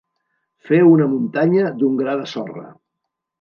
Fer una muntanya d'un gra de sorra.